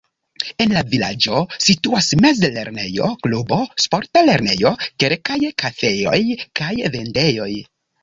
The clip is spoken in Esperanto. En la vilaĝo situas mezlernejo, klubo, sporta lernejo, kelkaj kafejoj kaj vendejoj.